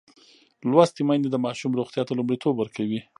لوستې میندې د ماشوم روغتیا ته لومړیتوب ورکوي.